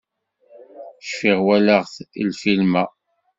Cfiɣ walaɣ-t lfilm-a.